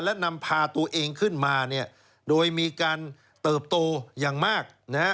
และนำพาตัวเองขึ้นมาเนี่ยโดยมีการเติบโตอย่างมากนะฮะ